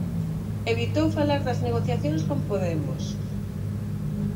Evitou falar das negociacións con Podemos.